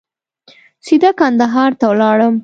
سیده کندهار ته ولاړم.